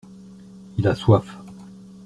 Il a soif.